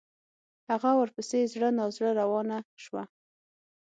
هغه ورپسې زړه نا زړه روانه شوه.